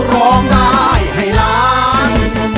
ร้องได้ให้ล้าน